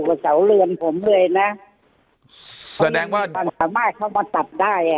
เสาเรือนผมเลยนะแสดงว่ามันสามารถเข้ามาตัดได้อ่ะ